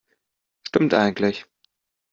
Stimmt eigentlich.